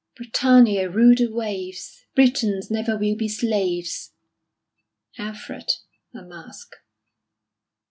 Britannia, rule the waves; Britons never will be slaves." _"Alfred": a Masque.